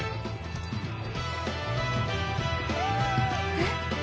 えっ？